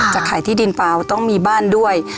จะขายที่ดินเปล่าต้องมีบ้านด้วย